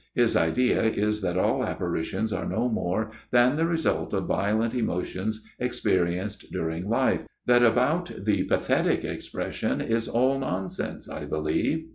His idea is that all apparitions are no more than the result of violent emotions experienced during life. That about the pathetic expression is all nonsense, I believe."